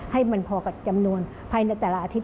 ให้มันพอกับจำนวนภายในแต่ละอาทิตย